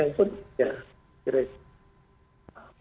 yang pun ya